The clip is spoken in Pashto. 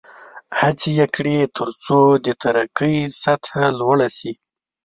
هڅې یې کړې ترڅو د ترقۍ سطحه لوړه شي.